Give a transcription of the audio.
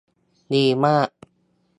ดีมาก !